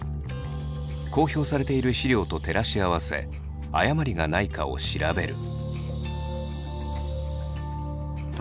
公表されている資料と照らし合わせ誤りがないかを調べる。